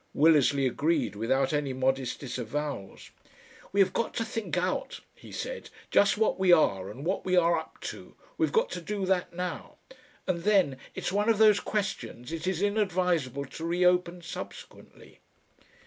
Willersley agreed without any modest disavowals. "We have got to think out," he said, "just what we are and what we are up to. We've got to do that now. And then it's one of those questions it is inadvisable to reopen subsequently."